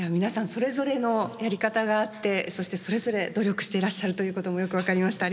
それぞれのやり方があってそしてそれぞれ努力していらっしゃるということもよく分かりました。